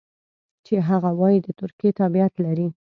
چې هغه وايي د ترکیې تابعیت لري.